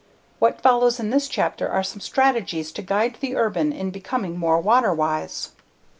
What follows in this chapter are some strategies to guide the urban in becoming more water wise.